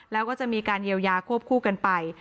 แล้วก็จะมีการเยียวยาควบคู่กันไป